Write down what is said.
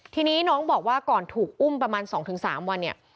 ทีนี้น้องบอกว่าก่อนถูกอุ้มประมาณ๒๓วันเนี่ย